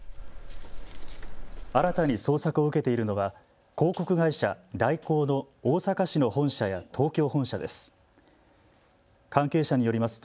新たに捜索を受けているのは広告会社、大広の大阪市の本社や東京本社です。